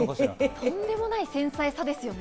とんでもない繊細さですね。